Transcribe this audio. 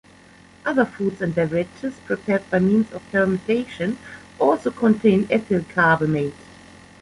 Other foods and beverages prepared by means of fermentation also contain ethyl carbamate.